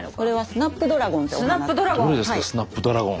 スナップドラゴン！